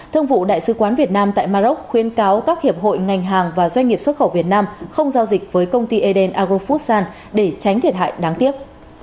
thương vụ đại sứ quán việt nam tại maroc khuyên cáo các hiệp hội ngành hàng và doanh nghiệp xuất khẩu việt nam không giao dịch với công ty eden agrofoodsan để tránh thiệt hại đáng tiếc